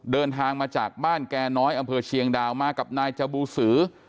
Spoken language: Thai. เดินทางมาจากบ้านแก่น้อยอำเภอเชียงดาวมากับนายจบูสือ